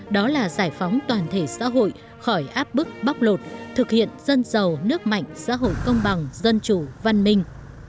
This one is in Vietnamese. đó là giải phóng toàn thể xã hội khỏi áp bức bóc lột thực hiện dân giàu nước mạnh xã hội công bằng dân chủ văn minh